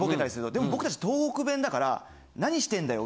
でも僕たち東北弁だから何してんだよ！